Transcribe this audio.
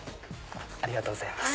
ありがとうございます。